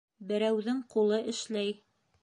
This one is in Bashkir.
Берәүҙең ҡулы эшләй